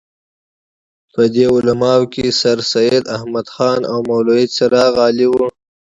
په دې علماوو کې سرسید احمد خان او مولوي چراغ علي وو.